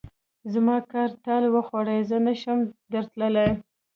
زما کار ټال وخوړ؛ زه نه شم درتلای.